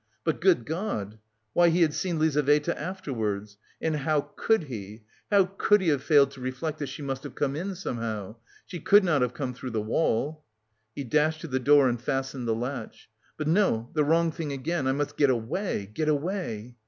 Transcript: But, good God! Why, he had seen Lizaveta afterwards! And how could he, how could he have failed to reflect that she must have come in somehow! She could not have come through the wall! He dashed to the door and fastened the latch. "But no, the wrong thing again! I must get away, get away...."